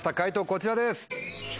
こちらです。